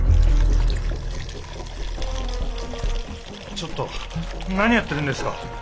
ちょっと何やってるんですか？